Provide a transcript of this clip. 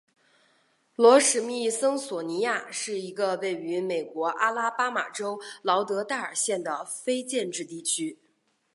罗史密森索尼亚是一个位于美国阿拉巴马州劳德代尔县的非建制地区。